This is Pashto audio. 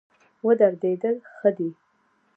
ودرېدل ښه دی.